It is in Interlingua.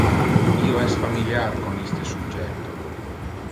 Io es familiar con iste subjecto.